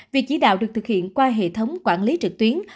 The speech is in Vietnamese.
việc chỉ đạo được thực hiện qua hệ thống quản lý trực tuyến